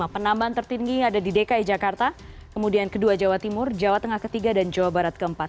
penambahan tertinggi ada di dki jakarta kemudian kedua jawa timur jawa tengah ketiga dan jawa barat keempat